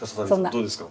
どうですか？